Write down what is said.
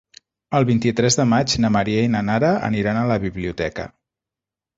El vint-i-tres de maig na Maria i na Nara aniran a la biblioteca.